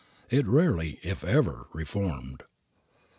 It rarely, if ever, reformed.